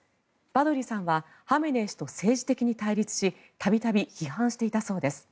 バドリさんはハメネイ師と政治的に対立し度々批判していたそうです。